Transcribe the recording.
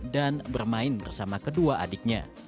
dan bermain bersama kedua adiknya